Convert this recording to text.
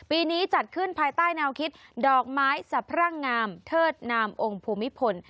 นี้จัดขึ้นภายใต้แนวคิดดอกไม้สะพรั่งงามเทิดนามองค์ภูมิพล